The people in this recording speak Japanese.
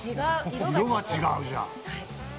色が違うじゃん。